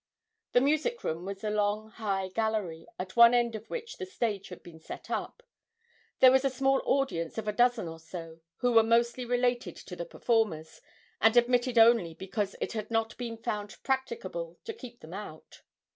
The music room was a long high gallery, at one end of which the stage had been set up. There was a small audience of a dozen or so, who were mostly related to the performers, and admitted only because it had not been found practicable to keep them out.